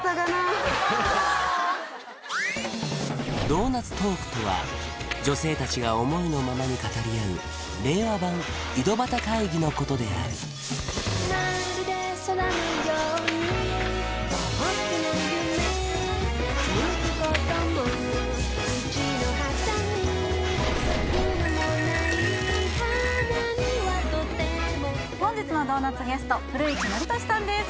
ドーナツトークとは女性達が思いのままに語り合う令和版井戸端会議のことである本日のドーナツゲスト古市憲寿さんです